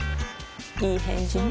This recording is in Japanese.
いい返事ね